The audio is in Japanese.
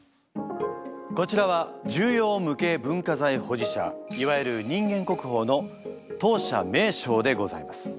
こちらは重要無形文化財保持者いわゆる人間国宝の藤舎名生でございます。